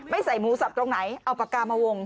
ใส่หมูสับตรงไหนเอาปากกามาวง